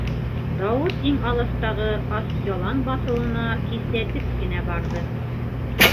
Дауыт иң алыҫтағы «Асъялан» баҫыуына кисләтеп кенә барҙы.